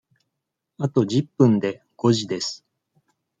あと十分で五時です。